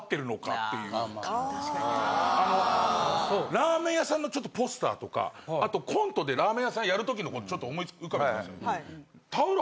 ラーメン屋さんのポスターとかあとコントでラーメン屋さんやる時のことちょっと思い浮かべてみてください。